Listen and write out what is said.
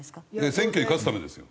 選挙に勝つためですよ。